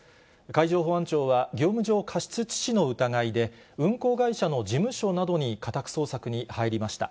海上保安庁は、業務上過失致死の疑いで、運航会社の事務所などに家宅捜索に入りました。